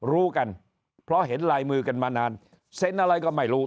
รู้กันเพราะเห็นลายมือกันมานานเซ็นอะไรก็ไม่รู้